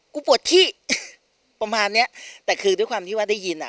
ปวดที่ประมาณเนี้ยแต่คือด้วยความที่ว่าได้ยินอ่ะ